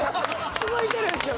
続いてるんですよ！